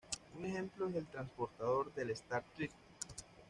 Un ejemplo es el transportador de Star Trek.